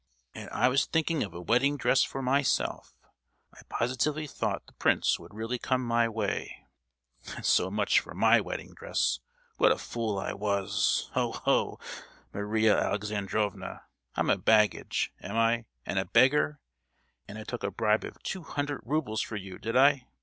"And I was thinking of a wedding dress for myself; I positively thought the prince would really come my way! So much for my wedding dress—what a fool I was! Oho! Maria Alexandrovna—I'm a baggage, am I—and a beggar;—and I took a bribe of two hundred roubles from you, did I?